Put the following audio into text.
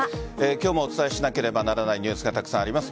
今日もお伝えしなければならないニュースが、たくさんあります。